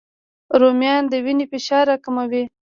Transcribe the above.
رومیان د وینې فشار راکموي